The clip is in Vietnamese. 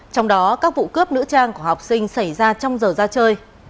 trong đó các vụ cướp nữ trang của học sinh xảy ra trong giờ ra chơi